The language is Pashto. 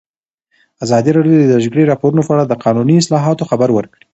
ازادي راډیو د د جګړې راپورونه په اړه د قانوني اصلاحاتو خبر ورکړی.